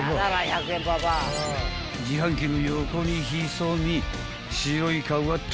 ［自販機の横に潜み白い顔が特徴］